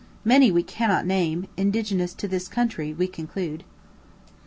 many we cannot name, indigenous to this country we conclude.